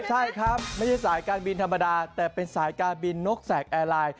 ใช่ครับไม่ใช่สายการบินธรรมดาแต่เป็นสายการบินนกแสกแอร์ไลน์